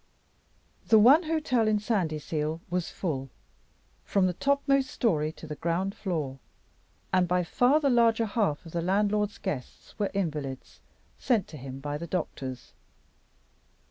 The one hotel in Sandyseal was full, from the topmost story to the ground floor; and by far the larger half of the landlord's guests were invalids sent to him by the doctors.